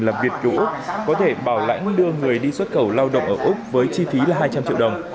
là việt úc có thể bảo lãnh đưa người đi xuất khẩu lao động ở úc với chi phí là hai trăm linh triệu đồng